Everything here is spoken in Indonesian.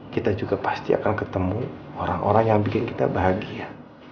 kita juga pasti akan ketemu orang orang yang bikin kita bahagia